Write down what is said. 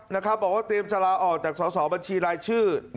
บอกว่าเตรียมจะลาออกจากสอสอบัญชีรายชื่อ